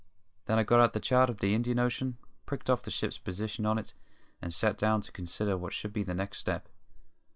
Then I got out the chart of the Indian Ocean, pricked off the ship's position on it, and sat down to consider what should be the next step.